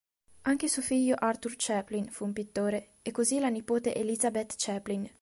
Anche suo figlio Arthur Chaplin fu un pittore, e così la nipote Elisabeth Chaplin.